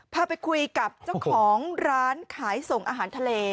พาไปคุยกับเจ้าของร้านขายส่งอาหารทะเล